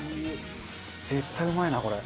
絶対うまいなこれ。